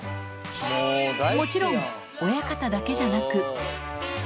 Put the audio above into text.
もちろん、親方だけじゃなく。